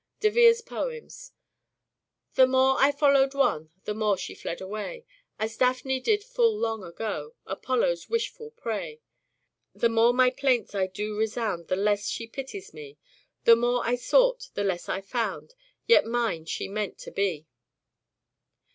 De Vere's poems :" The more I followed one, the more she fled away, As Daphne did full long ago, Apollo's wishful prey. The more my plaints I do resound the less she pities me. The more I sought the less I found, yet mine she meant to be."